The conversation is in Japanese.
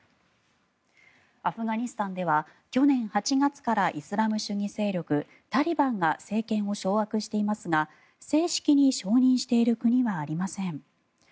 アフガニスタンでは去年８月からイスラム主義勢力タリバンが政権を掌握していますが正式に承認している国はありません。